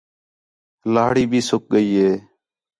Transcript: لَہڑی بھی سُک ڳئی ہِے